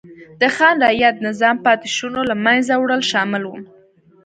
د خان رعیت نظام پاتې شونو له منځه وړل شامل و.